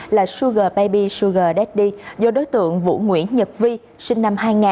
là sugar baby sugar daddy do đối tượng vũ nguyễn nhật vi sinh năm hai nghìn